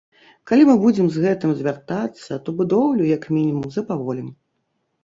Калі мы будзем з гэтым звяртацца, то будоўлю, як мінімум, запаволім.